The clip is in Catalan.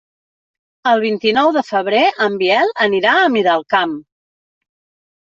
El vint-i-nou de febrer en Biel anirà a Miralcamp.